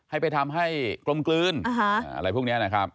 ให้ไปทำให้กลมกลืนอะไรพวกนี้นะครับ